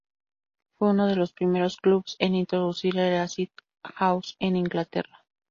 Fue uno de los primeros clubs en introducir el acid house en Inglaterra.